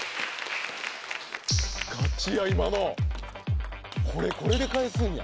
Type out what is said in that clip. ガチや今のこれで返すんや